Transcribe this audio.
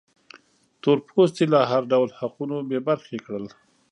تور پوستي له هر ډول حقونو بې برخې کړل.